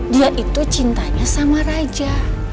dia itu cintanya sama raja